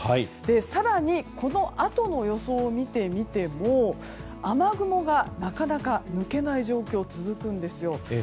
更にこのあとの予想を見てみても雨雲がなかなか抜けない状況が続くんですよ。